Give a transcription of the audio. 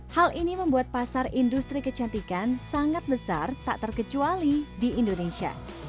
hal ini membuat pasar industri kecantikan sangat besar tak terkecuali di indonesia